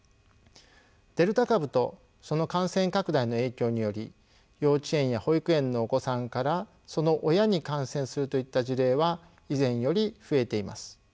デルタ株とその感染拡大の影響により幼稚園や保育園のお子さんからその親に感染するといった事例は以前より増えています。